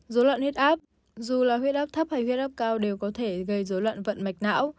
dối loạn huyết áp dù là huyết áp thấp hay huyết áp cao đều có thể gây dối loạn vận mạch não